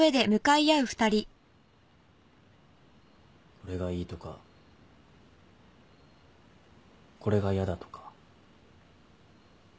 これがいいとかこれがやだとか。